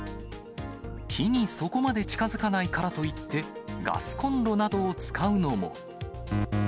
火にそこまで近づかないからといってガスこんろなどを使うのも。